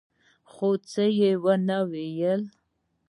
خو څه يې ونه ويل.